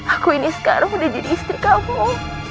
aku ini sekarang udah jadi istri kamu